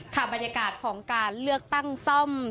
บรรยากาศของการเลือกตั้งซ่อม